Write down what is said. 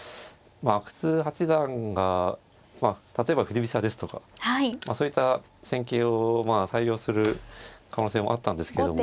阿久津八段が例えば振り飛車ですとかそういった戦型を採用する可能性もあったんですけども。